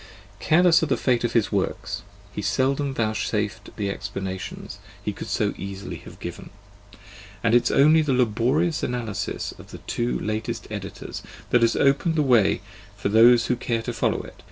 Careless of the fate of his works, he seldom vouchsafed the explan ations he could so easily have given: and it is only the laborious analysis of his two latest editors that has opened the way for those who care to follow in it.